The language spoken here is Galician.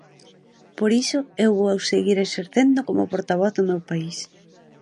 Por iso, eu vou seguir exercendo como portavoz do meu país.